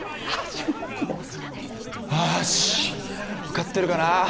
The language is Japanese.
受かってるかな？